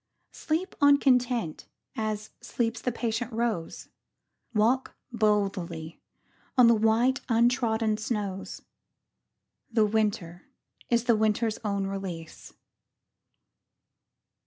Sleep on content, as sleeps the patient rose. Walk boldly on the white untrodden snows, The winter is the winter's own release.